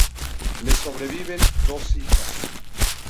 Le sobreviven dos hijas.